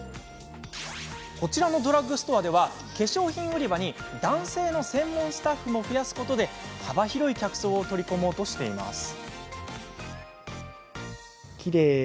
こちらのドラッグストアでは化粧品売り場に男性の専門スタッフも増やすことで幅広い客層を取り込もうとしています。